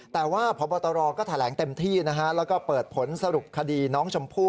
แต่ว่าพบตรก็แถลงเต็มที่นะฮะแล้วก็เปิดผลสรุปคดีน้องชมพู่